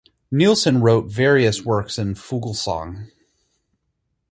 Nielsen wrote various works in Fuglsang.